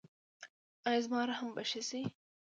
ایا زما رحم به ښه شي؟